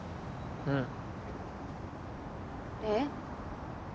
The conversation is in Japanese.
うんえっ？